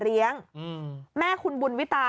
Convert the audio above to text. เลี้ยงแม่คุณบุญวิตา